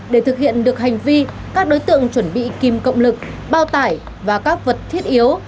để thực hiện được hành vi các đối tượng chuẩn bị kìm cộng lực bao tải và các vật thiết yếu